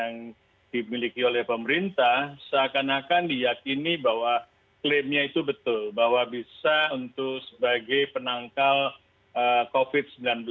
yang dimiliki oleh pemerintah seakan akan diyakini bahwa klaimnya itu betul bahwa bisa untuk sebagai penangkal covid sembilan belas